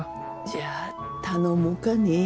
じゃあ頼もうかね。